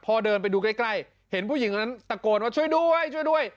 พอเดินไปดูใกล้เห็นผู้หญิงคนนั้นตะโกนว่าช่วยด้วยช่วยด้วย